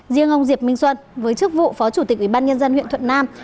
riêng ông diệp minh xuân với chức vụ phó chủ tịch ủy ban nhân dân huyện thuận nam